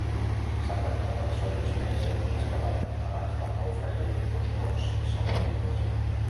Setanta persones més havien escapat abans del naufragi en dos bots salvavides.